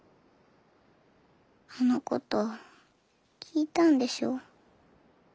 あのこと聞いたんでしょ？